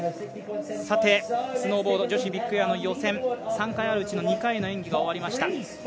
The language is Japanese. さて、スノーボード女子ビッグエアの予選、３回あるうちの２回の演技が終わりました。